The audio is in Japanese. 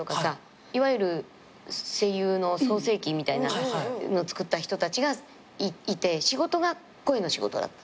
いわゆる声優の創成期みたいなのをつくった人たちがいて仕事が声の仕事だった。